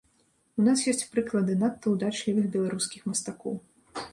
У нас ёсць прыклады надта ўдачлівых беларускіх мастакоў.